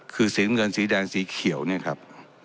คือสีเงินสีแดงสีเขียวเนี่ยครับ